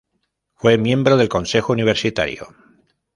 Fue miembro del Consejo Universitario.